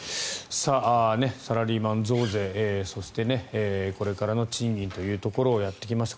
サラリーマン増税、そしてこれからの賃金というところやってきました。